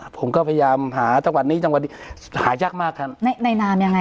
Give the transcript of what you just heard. ผมก็พยายามหาจังหวัดนี้จังหวัดนี้หายากมากท่านในในนามยังไง